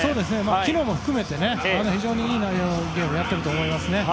昨日も含めて非常にいい内容のゲームをやっていると思います。